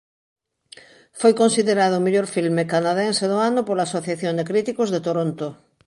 Foi considerado o mellor filme canadense do ano pola Asociación de Críticos de Toronto.